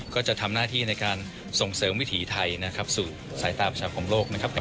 ก็จะทำหน้าที่ในการส่งเสริมวิถีไทยนะครับสู่สายตาประชาปของโลกนะครับ